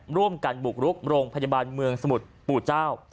ร่วมกันบุกรุกโรงพยาบาลเมืองสมุทรปู่เจ้า